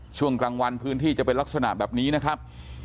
ช่วงกลางวันพื้นที่จะเป็นลักษณะแบบนี้นะครับ